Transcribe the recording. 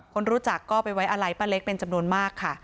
คนรู้จักก็ไปไว้อะไรป้าเล็กเป็นจำนวนมากค่ะ